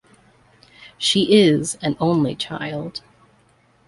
She is an only child.